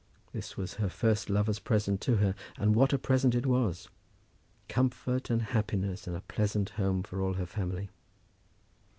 This was his first lover's present to her; and what a present it was! Comfort, and happiness, and a pleasant home for all her family.